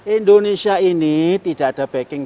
indonesia ini tidak ada backing